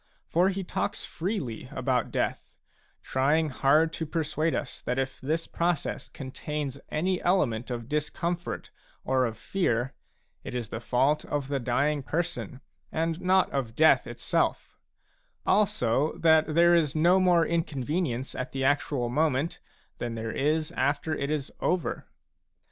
For he talks freely about death; trying hard to persuade us that if this process contains any element of discomfort or of fear, it is the fault of the dying person, and not of death itself ; also, that there is no more inconvenience at the actual moment than there is after it is over.